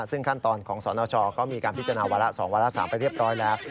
ซึ่งขั้นตอนของสนชก็มีการพิจารณาวาระ๒วาระ๓ไปเรียบร้อยแล้ว